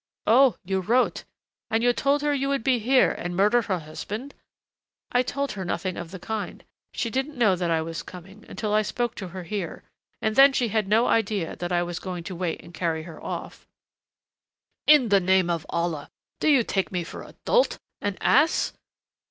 "Oh you wrote! And you told her you would be here, and murder her husband " "I told her nothing of the kind. She didn't know that I was coming until I spoke to her here, and then she had no idea that I was going to wait and carry her off " "In the name of Allah! Do you take me for a dolt, an ass?